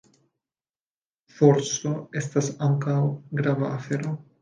Forsto estas ankaŭ grava afero.